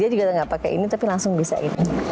dia juga nggak pakai ini tapi langsung bisa itu